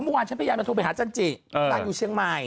เมื่อวานฉันพยายามจะโทรไปหาจันจินางอยู่เชียงใหม่